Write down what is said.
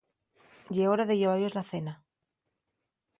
Ye hora de lleva-yos la cena.